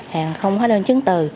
hàng không hóa đơn chứng từ